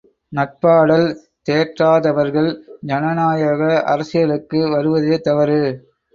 நட்பாடல் தேற்றாதவர்கள் ஜனநாயக அரசியலுக்கு வருவதே தவறு!